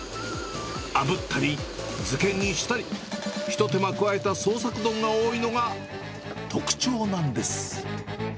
あぶったり、漬けにしたり、一手間くわえた創作丼が多いのが特徴なんです。